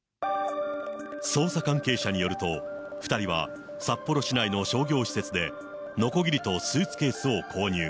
捜査関係者によると、２人は札幌市内の商業施設で、のこぎりとスーツケースを購入。